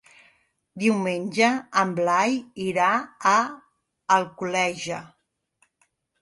Diumenge en Blai irà a Alcoleja.